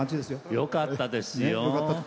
よかったですよ。